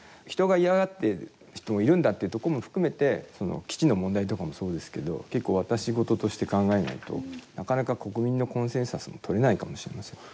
嫌がっている人もいるんだというとこも含めてその基地の問題とかもそうですけど結構わたし事として考えないとなかなか国民のコンセンサスも取れないかもしれません。